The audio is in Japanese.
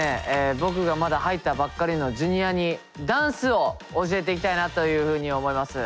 僕がまだ入ったばっかりのＪｒ．にダンスを教えていきたいなというふうに思います。